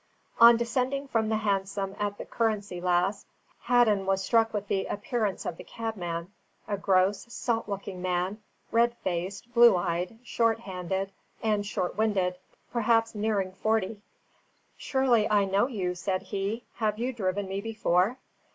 On descending from the hansom at the Currency Lass, Hadden was struck with the appearance of the cabman, a gross, salt looking man, red faced, blue eyed, short handed and short winded, perhaps nearing forty. "Surely I know you?" said he. "Have you driven me before?"